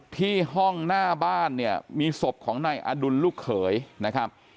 ที่ห้องหน้าบ้านเนี่ยมีศพของนายอดุลลูกเขยนะครับ